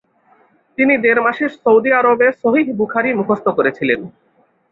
তিনি দেড় মাসে সৌদি আরবে সহিহ বুখারী মুখস্থ করেছিলেন।